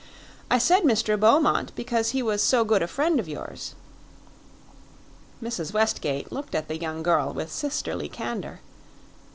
"I said Mr. Beaumont because he was so good a friend of yours." Mrs. Westgate looked at the young girl with sisterly candor.